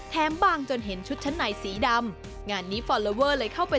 บางจนเห็นชุดชั้นในสีดำงานนี้ฟอลลอเวอร์เลยเข้าไป